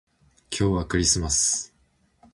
今日はクリスマス